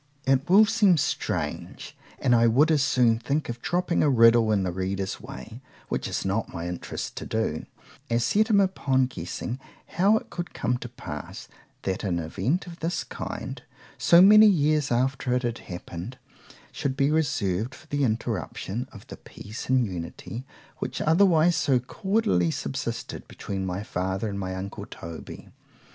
It will seem strange,——and I would as soon think of dropping a riddle in the reader's way, which is not my interest to do, as set him upon guessing how it could come to pass, that an event of this kind, so many years after it had happened, should be reserved for the interruption of the peace and unity, which otherwise so cordially subsisted, between my father and my uncle _Toby.